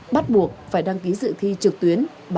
bắt buộc phải đăng ký dự thi trực tuyến